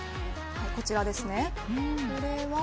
こちらですね。